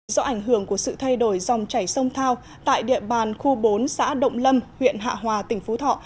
do ảnh hưởng của sự thay đổi dòng chảy sông thao tại địa bàn khu bốn xã động lâm huyện hạ hòa tỉnh phú thọ